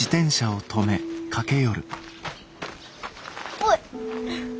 おい。